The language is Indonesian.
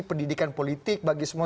pendidikan politik bagi semua